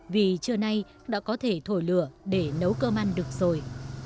vì trưa nay đã có thể thổi lửa để nấu cơm ăn được rồi